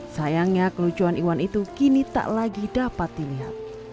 sayangnya kelucuan iwan itu kini tak lagi dapat dilihat